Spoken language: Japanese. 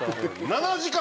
７時間！